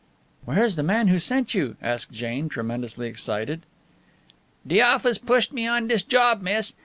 "Where is the man who sent you?" asked Jane, tremendously excited. "De office pushed me on dis job, miss.